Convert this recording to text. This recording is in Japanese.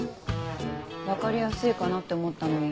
分かりやすいかなって思ったのに。